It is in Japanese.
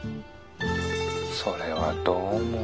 それはどうも。